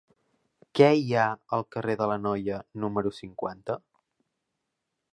Què hi ha al carrer de l'Anoia número cinquanta?